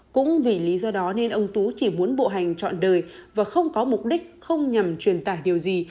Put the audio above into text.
cũng vì lý do đó nên ông tú chỉ muốn bộ hành trọn đời và không có mục đích không nhằm truyền tải điều gì